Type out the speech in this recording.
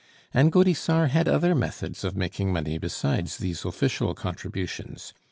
And Gaudissart had other methods of making money besides these official contributions.